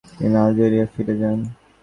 তিনি আলজেরিয়ায় ফিরে যান।